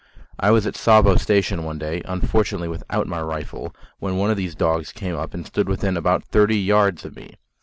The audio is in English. I was at Tsavo Station one day unfortunately without my rifle when one of these dogs came up and stood within about thirty yards of me.